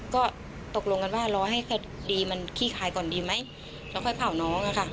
ก็ตกลงกันว่ารอให้คดีมันขี้คายก่อนดีไหมแล้วค่อยเผาน้องอะค่ะ